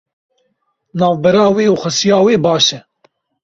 Navbera wê û xesûya wê baş e.